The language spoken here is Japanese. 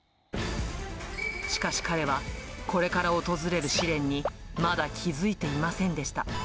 しかし彼は、これから訪れる試練に、まだ気付いていませんでした。